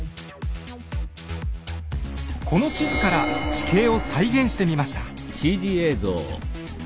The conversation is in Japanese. この地図から地形を再現してみました。